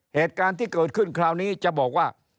เหตุการณ์ที่เกิดขึ้นคราวนี้จะบอกว่า